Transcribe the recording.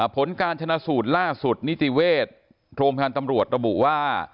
ผลการชนะสูตรล่าสุดนิจเวทย์โทรมานตำรวจระบุว่า